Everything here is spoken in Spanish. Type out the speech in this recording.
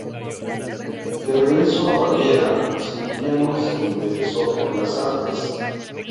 De regreso en Baviera, Maximiliano se interesó por las artes.